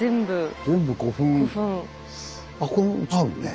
あこれもあるね。